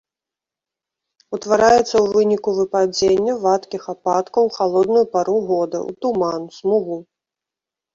Утвараецца ў выніку выпадзення вадкіх ападкаў у халодную пару года, у туман, смугу.